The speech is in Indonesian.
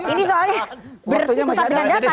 ini soalnya bertepat dengan data